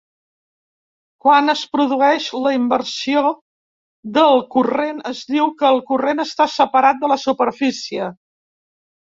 Quan es produeix la inversió del corrent, es diu que el corrent està separat de la superfície.